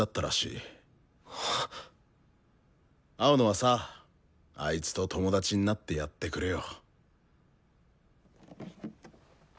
青野はさあいつと友達になってやってくれよ。